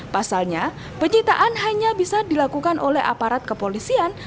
pasalnya penyitaan hanya bisa dilakukan oleh aparat kepolisian